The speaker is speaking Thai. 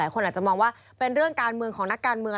คนอาจจะมองว่าเป็นเรื่องการเมืองของนักการเมือง